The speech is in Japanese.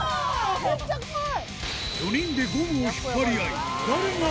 めっちゃ怖い！